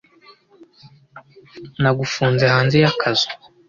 nagufunze hanze y'akazu